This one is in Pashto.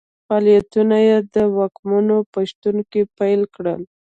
فعالیتونه یې د واکمنو په شتون کې پیل کړل.